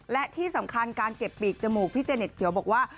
และที่สำคัญการเก็บปีกจมูกพี่เจเน็ตเขียวบอกว่า